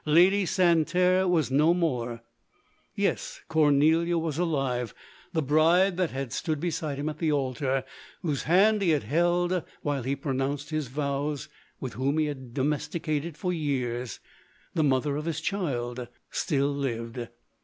Lady Santerre was no more ! Yes, Cornelia was alive ; the bride that had LODORE. 241 stood beside him at the altar — whose hand lie had held while he pronounced his vows — with whom he had domesticated for years — the mo ther of his child still lived.